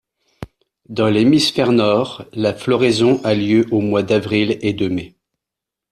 Dans l'hémisphère nord, la floraison a lieu aux mois d'avril et de mai.